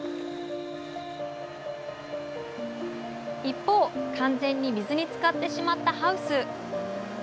一方完全に水につかってしまったハウス。